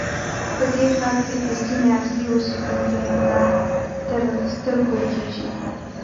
په دې ښار کې د سیمې اصلي اوسېدونکي نه تر سترګو کېږي.